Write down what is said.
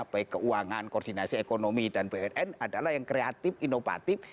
baik keuangan koordinasi ekonomi dan bnn adalah yang kreatif inovatif